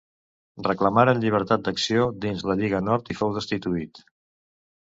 Reclamaren llibertat d'acció dins la Lliga Nord i fou destituït.